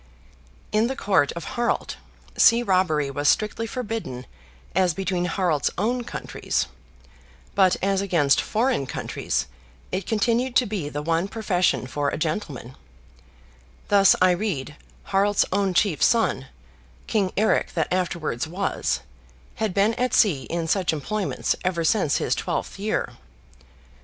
In the Court of Harald, sea robbery was strictly forbidden as between Harald's own countries, but as against foreign countries it continued to be the one profession for a gentleman; thus, I read, Harald's own chief son, King Eric that afterwards was, had been at sea in such employments ever since his twelfth year.